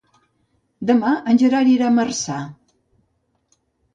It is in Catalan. Demà en Gerard irà a Marçà.